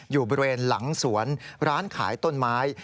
อยู่บริเวณหลังสวนร้านขายต้นไม้